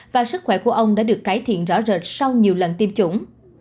và sức khỏe của ông đã được cải thiện rõ rệt sau nhiều lần tiêm chủng